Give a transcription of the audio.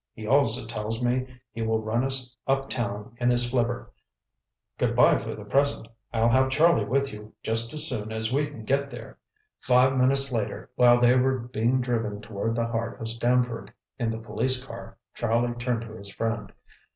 He also tells me he will run us up town in his flivver. Goodbye for the present. I'll have Charlie with you just as soon as we can get there." Five minutes later, while they were being driven toward the heart of Stamford in the police car, Charlie turned to his friend.